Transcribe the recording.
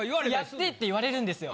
やってって言われるんですよ。